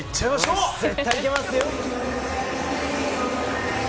絶対いけますよ！